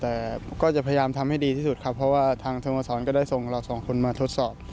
แต่ก็จะพยายามทำให้ดีที่สุดครับเพราะว่าทางสโมสรก็ได้ส่งเราสองคนมาทดสอบ